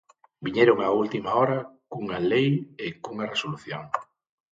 Viñeron á última hora cunha lei e cunha resolución.